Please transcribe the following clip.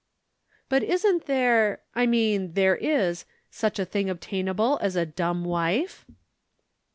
'" "But isn't there I mean there is such a thing obtainable as a dumb wife?"